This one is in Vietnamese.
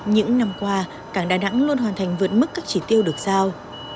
những năm qua cảng đà nẵng luôn hoàn thành vượt mức các chỉ tiêu được giao